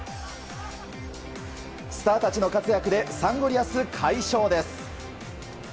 スターたちの活躍でサンゴリアス、快勝です。